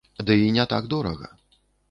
Ды і не так дорага.